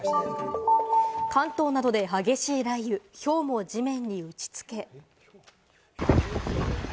関東などで激しい雷雨、ひょうも地面に打ち付け。